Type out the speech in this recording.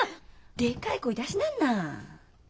でかい声出しなんな。